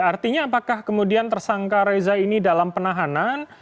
artinya apakah kemudian tersangka reza ini dalam penahanan